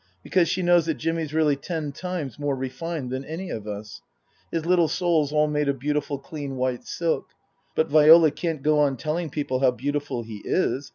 Because she knows that Jimmy's really ten times more refined than any of us. His little soul's all made of beautiful clean white silk. But Viola can't go on telling people how beautiful he is.